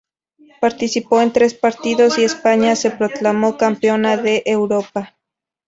Participó en tres partidos y España se proclamó campeona de Europa.